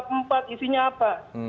baca itu isinya apa